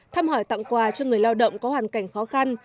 thăm hỏi tặng quà cho người lao động có hoàn cảnh khó khăn